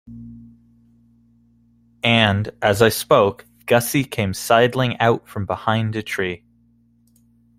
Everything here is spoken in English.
And, as I spoke, Gussie came sidling out from behind a tree.